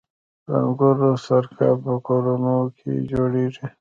د انګورو سرکه په کورونو کې جوړیږي.